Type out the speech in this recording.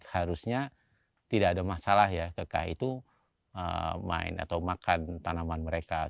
maka makanya tidak ada masalah ya kekah itu main atau makan tanaman mereka